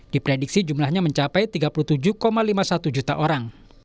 diprediksi jumlahnya mencapai tiga puluh tujuh lima puluh satu juta orang